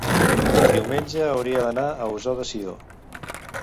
diumenge hauria d'anar a Ossó de Sió.